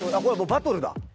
これバトルだ？